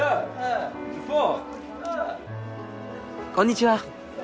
こんにちは。